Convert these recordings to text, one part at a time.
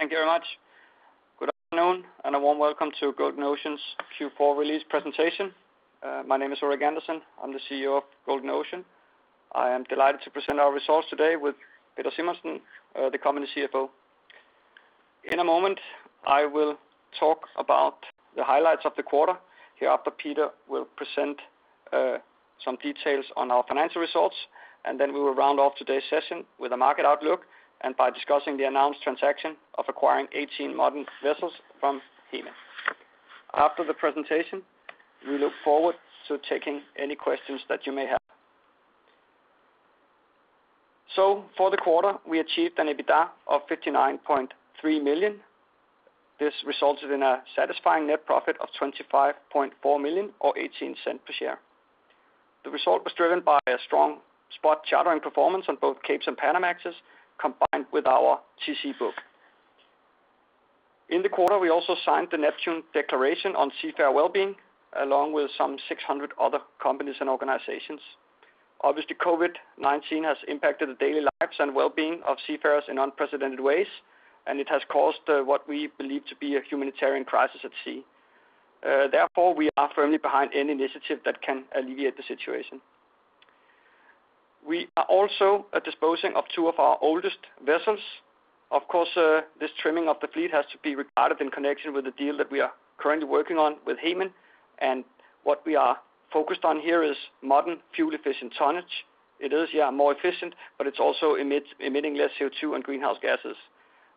Thank you very much. Good afternoon, and a warm welcome to Golden Ocean's Q4 release presentation. My name is Ulrik Andersen. I am the CEO of Golden Ocean. I am delighted to present our results today with Peder Simonsen, the company CFO. In a moment, I will talk about the highlights of the quarter. Hereafter, Peder will present some details on our financial results, and then we will round off today's session with a market outlook and by discussing the announced transaction of acquiring 18 modern vessels from Hemen. After the presentation, we look forward to taking any questions that you may have. For the quarter, we achieved an EBITDA of $59.3 million. This resulted in a satisfying net profit of $25.4 million or $0.18 per share. The result was driven by a strong spot chartering performance on both Capes and Panamax, combined with our TC book. In the quarter, we also signed the Neptune Declaration on Seafarer Wellbeing, along with some 600 other companies and organizations. Obviously, COVID-19 has impacted the daily lives and wellbeing of seafarers in unprecedented ways, and it has caused what we believe to be a humanitarian crisis at sea. Therefore, we are firmly behind any initiative that can alleviate the situation. We are also disposing of two of our oldest vessels. Of course, this trimming of the fleet has to be regarded in connection with the deal that we are currently working on with Hemen. What we are focused on here is modern, fuel-efficient tonnage. It is more efficient, it's also emitting less CO2 and greenhouse gases.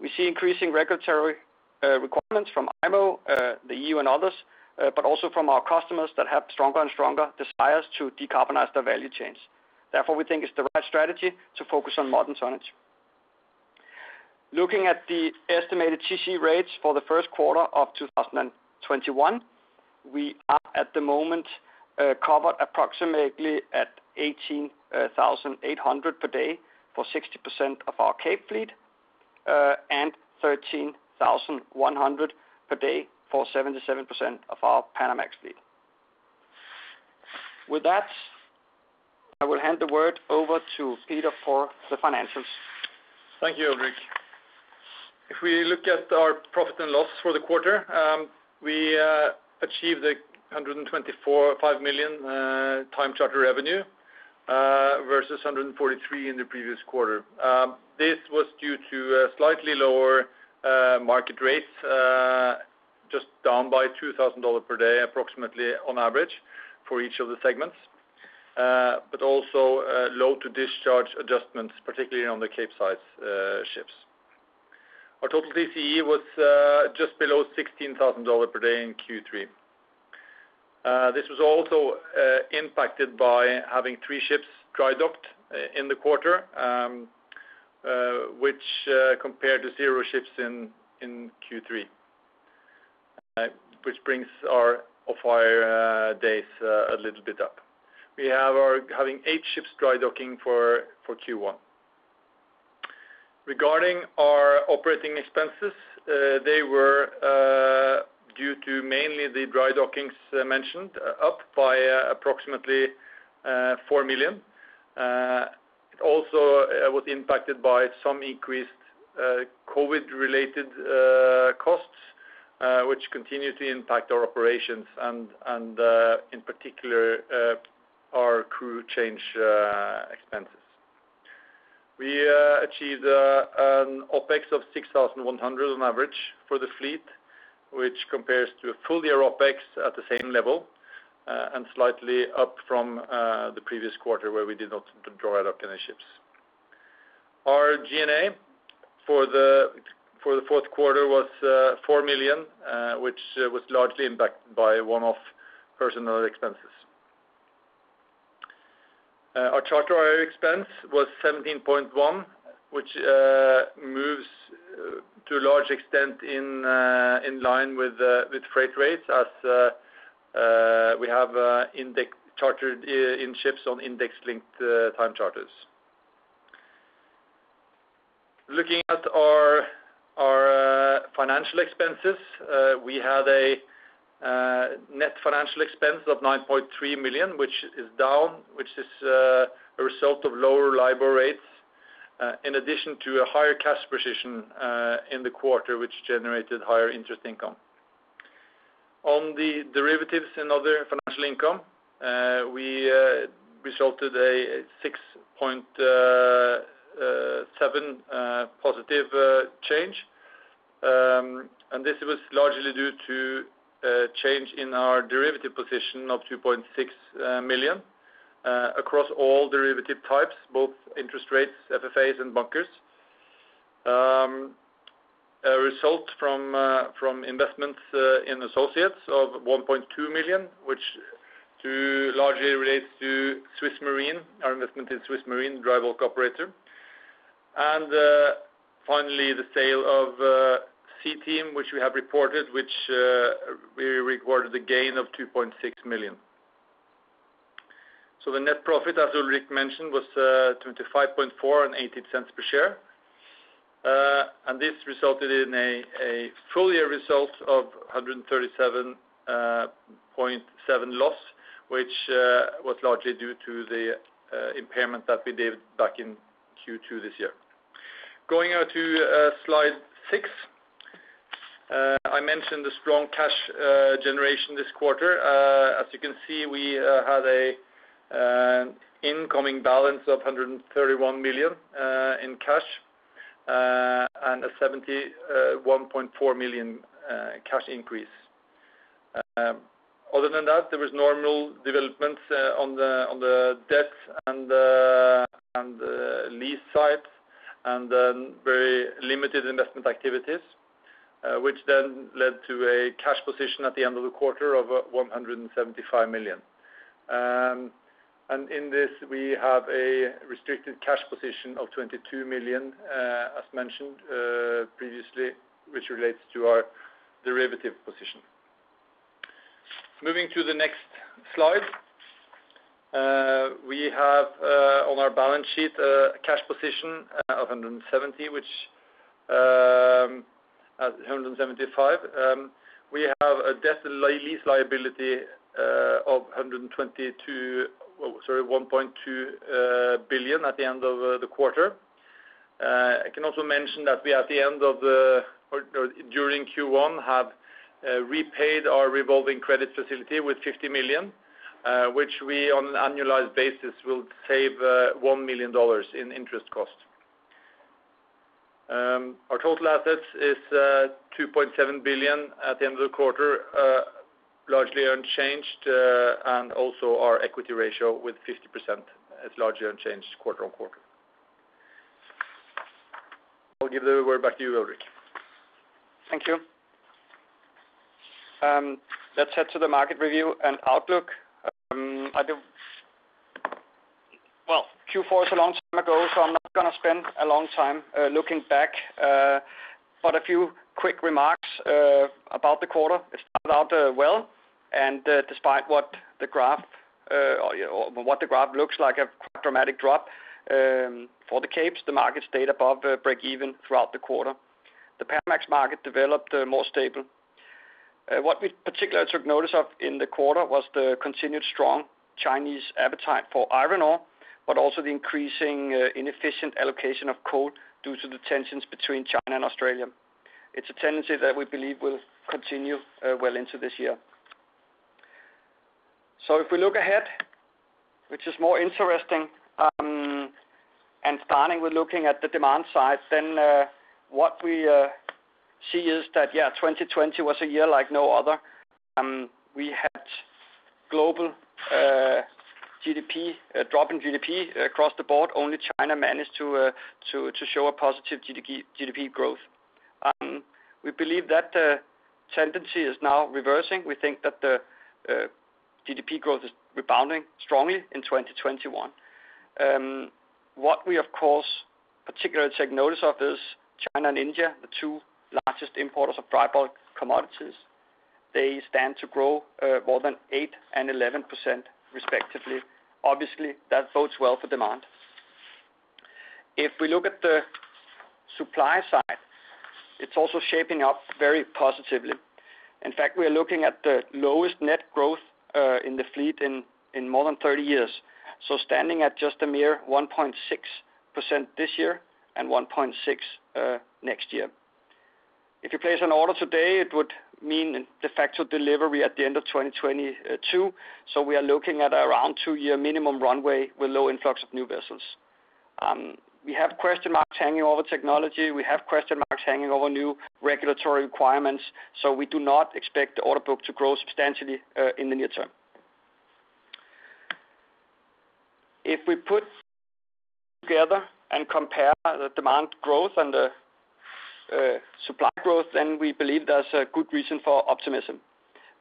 We see increasing regulatory requirements from IMO, the EU, and others. Also from our customers that have stronger and stronger desires to decarbonize their value chains. Therefore, we think it's the right strategy to focus on modern tonnage. Looking at the estimated TC rates for the first quarter of 2021, we are at the moment covered approximately at $18,800 per day for 60% of our Capes fleet, and $13,100 per day for 77% of our Panamax fleet. With that, I will hand the word over to Peder for the financials. Thank you, Ulrik. If we look at our profit and loss for the quarter, we achieved $125 million time charter revenue, versus $143 in the previous quarter. This was due to slightly lower market rates, just down by $2,000 per day approximately on average for each of the segments. Also load-to-discharge adjustments, particularly on the Capesize ships. Our total TCE was just below $16,000 per day in Q3. This was also impacted by having three ships dry docked in the quarter, which compared to zero ships in Q3. Which brings our off-hire days a little bit up. We are having eight ships dry docking for Q1. Regarding our operating expenses, they were due to mainly the dry dockings mentioned up by approximately $4 million. It also was impacted by some increased COVID related costs, which continue to impact our operations and in particular, our crew change expenses. We achieved an OPEX of $6,100 on average for the fleet, which compares to a full year OPEX at the same level. Slightly up from the previous quarter where we did not dry dock any ships. Our G&A for the fourth quarter was $4 million, which was largely impacted by one-off personal expenses. Our charter hire expense was $17.1, which moves to a large extent in line with freight rates as we have indexed charters in ships on index-linked time charters. Looking at our financial expenses, we had a net financial expense of $9.3 million, which is down, which is a result of lower LIBOR rates, in addition to a higher cash position in the quarter, which generated higher interest income. On the derivatives and other financial income, we resulted a $6.7 positive change. This was largely due to a change in our derivative position of $2.6 million across all derivative types, both interest rates, FFAs, and bunkers. A result from investments in associates of $1.2 million, which largely relates to SwissMarine, our investment in SwissMarine, dry bulk operator. Finally, the sale of SeaTeam, which we have reported, which we recorded a gain of $2.6 million. The net profit, as Ulrik mentioned, was $25.4 and $0.18 per share. This resulted in a full year result of a $137.7 million loss, which was largely due to the impairment that we did back in Q2 this year. Going now to slide six. I mentioned the strong cash generation this quarter. As you can see, we had an incoming balance of $131 million in cash and a $71.4 million cash increase. Other than that, there was normal developments on the debt and the lease side, and then very limited investment activities, which then led to a cash position at the end of the quarter of $175 million. In this we have a restricted cash position of $22 million, as mentioned previously, which relates to our derivative position. Moving to the next slide. We have on our balance sheet a cash position of $175 million, which we have a debt and lease liability of $1.2 billion at the end of the quarter. I can also mention that during Q1 have repaid our revolving credit facility with $50 million, which we on an annualized basis will save $1 million in interest costs. Our total assets is $2.7 billion at the end of the quarter, largely unchanged. Also our equity ratio with 50% is largely unchanged quarter on quarter. I'll give the word back to you, Ulrik. Thank you. Let's head to the market review and outlook. Q4 is a long time ago, so I'm not going to spend a long time looking back. A few quick remarks about the quarter. It started out well, and despite what the graph looks like, a quite dramatic drop for the Capes, the market stayed above breakeven throughout the quarter. The Panamax market developed more stable. What we particularly took notice of in the quarter was the continued strong Chinese appetite for iron ore, but also the increasing inefficient allocation of coal due to the tensions between China and Australia. It's a tendency that we believe will continue well into this year. If we look ahead, which is more interesting, and starting with looking at the demand side, what we see is that, yeah, 2020 was a year like no other. We had global drop in GDP across the board. Only China managed to show a positive GDP growth. We believe that the tendency is now reversing. We think that the GDP growth is rebounding strongly in 2021. What we of course particularly take notice of is China and India, the two largest importers of dry bulk commodities. They stand to grow more than 8% and 11% respectively. Obviously, that bodes well for demand. If we look at the supply side, it's also shaping up very positively. In fact, we are looking at the lowest net growth in the fleet in more than 30 years. Standing at just a mere 1.6% this year and 1.6% next year. If you place an order today, it would mean de facto delivery at the end of 2022. We are looking at around two year minimum runway with low influx of new vessels. We have question marks hanging over technology. We have question marks hanging over new regulatory requirements. We do not expect the order book to grow substantially in the near term. If we put together and compare the demand growth and the supply growth, we believe there's a good reason for optimism.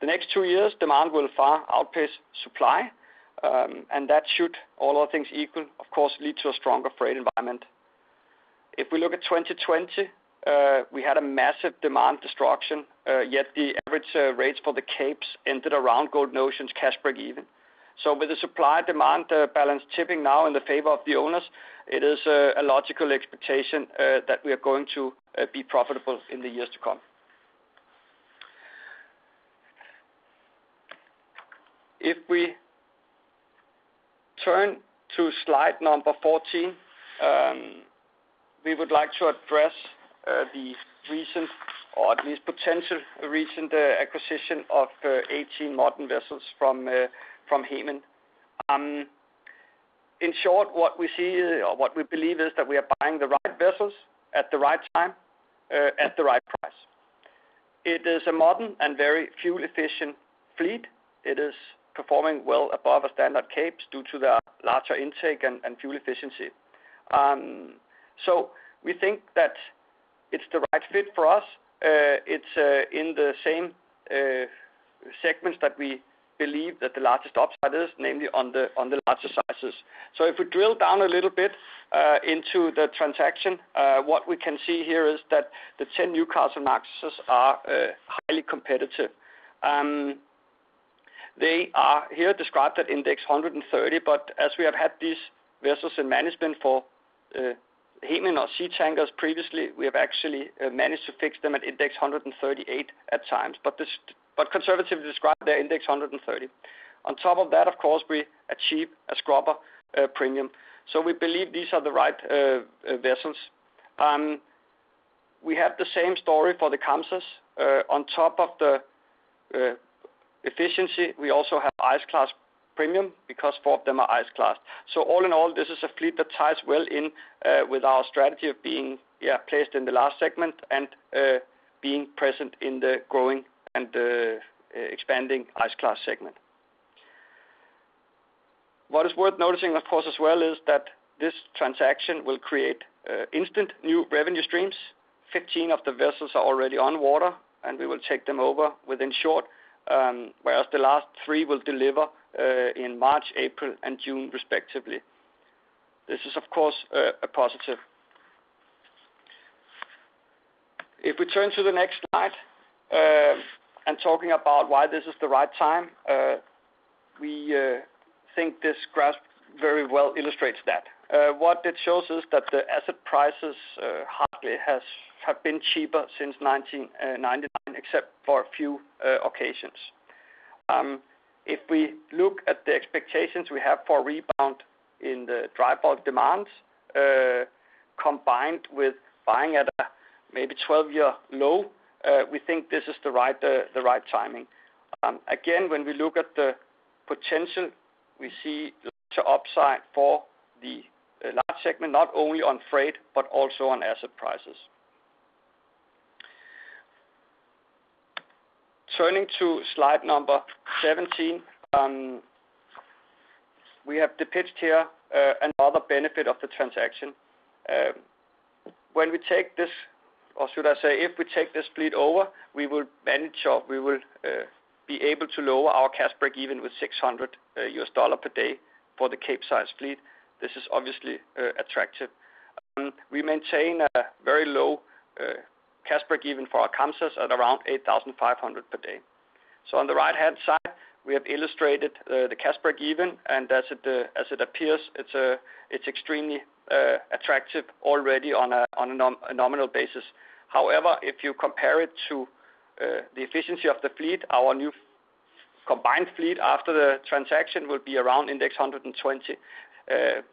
The next two years, demand will far outpace supply, and that should, all other things equal, of course, lead to a stronger freight environment. If we look at 2020, we had a massive demand destruction. Yet the average rates for the Capes ended around Golden Ocean's cash breakeven. With the supply-demand balance tipping now in the favor of the owners, it is a logical expectation that we are going to be profitable in the years to come. We turn to slide number 14, we would like to address the recent, or at least potential recent acquisition of 18 modern vessels from Hemen. In short, what we believe is that we are buying the right vessels at the right time, at the right price. It is a modern and very fuel efficient fleet. It is performing well above a standard Cape due to the larger intake and fuel efficiency. We think that it's the right fit for us. It's in the same segments that we believe that the largest upside is, namely on the larger sizes. If we drill down a little bit into the transaction, what we can see here is that the 10 Newcastlemaxes are highly competitive. They are here described at index 130, but as we have had these vessels in management for Hemen or Seatankers previously, we have actually managed to fix them at index 138 at times. Conservatively describe their index 130. On top of that, of course, we achieve a scrubber premium. We believe these are the right vessels. We have the same story for the Kamsars. On top of the efficiency, we also have ice class premium because four of them are ice class. All in all, this is a fleet that ties well in with our strategy of being placed in the last segment and being present in the growing and the expanding ice class segment. What is worth noticing, of course, as well, is that this transaction will create instant new revenue streams. 15 of the vessels are already on water, and we will take them over within short, whereas the last three will deliver in March, April, and June, respectively. This is, of course, a positive. If we turn to the next slide and talking about why this is the right time, we think this graph very well illustrates that. What it shows is that the asset prices hardly have been cheaper since 1999, except for a few occasions. If we look at the expectations we have for a rebound in the dry bulk demands, combined with buying at a maybe 12-year low, we think this is the right timing. Again, when we look at the potential, we see the upside for the large segment, not only on freight but also on asset prices. Turning to slide number 17. We have depicted here another benefit of the transaction. When we take this, or should I say, if we take this fleet over, we will manage or we will be able to lower our cash breakeven with $600 per day for the Capesize fleet. This is obviously attractive. We maintain a very low cash breakeven for our Kamsars at around $8,500 per day. On the right-hand side, we have illustrated the cash breakeven, and as it appears, it's extremely attractive already on a nominal basis. However, if you compare it to the efficiency of the fleet, our new combined fleet after the transaction will be around index 120.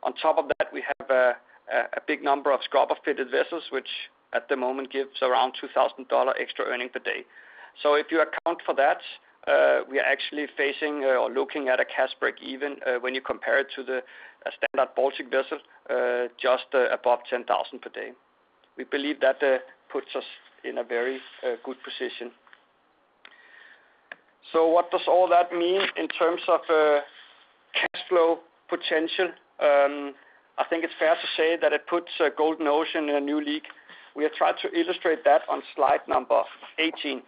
On top of that, we have a big number of scrubber-fitted vessels, which at the moment gives around $2,000 extra earning per day. If you account for that, we are actually facing or looking at a cash breakeven, when you compare it to the standard Baltic vessel, just above $10,000 per day. We believe that puts us in a very good position. What does all that mean in terms of cash flow potential? I think it's fair to say that it puts Golden Ocean in a new league. We have tried to illustrate that on slide number 18.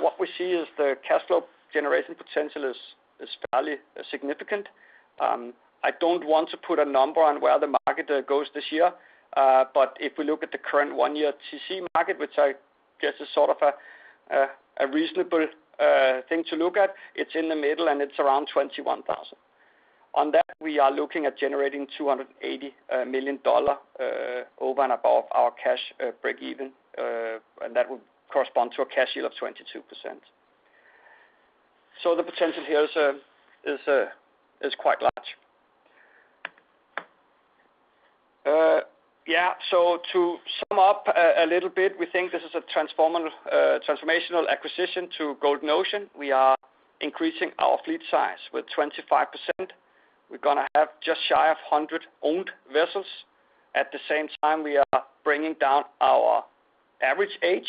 What we see is the cash flow generation potential is fairly significant. I don't want to put a number on where the market goes this year, but if we look at the current one-year TC market, which I guess is sort of a reasonable thing to look at, it's in the middle and it's around $21,000. On that, we are looking at generating $280 million over and above our cash breakeven, and that would correspond to a cash yield of 22%. The potential here is quite large. To sum up a little bit, we think this is a transformational acquisition to Golden Ocean. We are increasing our fleet size with 25%. We're going to have just shy of 100 owned vessels. At the same time, we are bringing down our average age,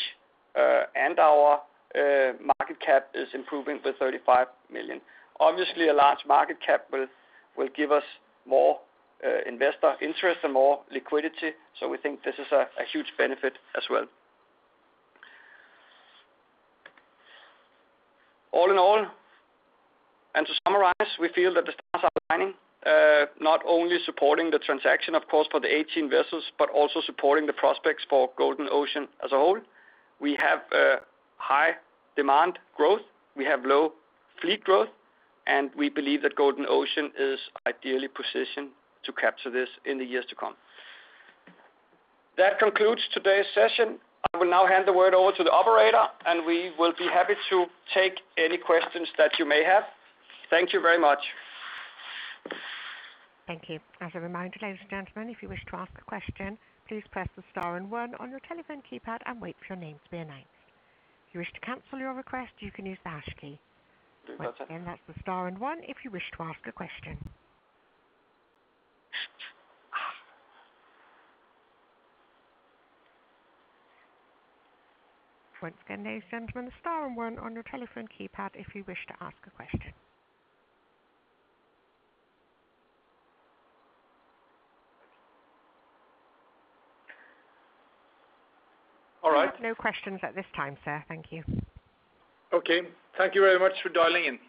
and our market cap is improving with $35 million. Obviously, a large market cap will give us more investor interest and more liquidity. We think this is a huge benefit as well. All in all, and to summarize, we feel that the stars are aligning, not only supporting the transaction, of course, for the 18 vessels, but also supporting the prospects for Golden Ocean as a whole. We have high demand growth, we have low fleet growth, and we believe that Golden Ocean is ideally positioned to capture this in the years to come. That concludes today's session. I will now hand the word over to the operator, and we will be happy to take any questions that you may have. Thank you very much. Thank you. As a reminder, ladies and gentlemen, if you wish to ask a question, please press the star and one on your telephone keypad and wait for your name to be announced. If you wish to cancel your request, you can use the hash key. Perfect. Once again, that's the star and one if you wish to ask a question. Once again, ladies and gentlemen, star and one on your telephone keypad if you wish to ask a question. All right. We have no questions at this time, sir. Thank you. Okay. Thank you very much for dialing in.